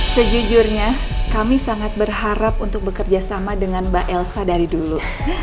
sejujurnya kami sangat berharap untuk bekerja sama dengan mbak elsa dari dulu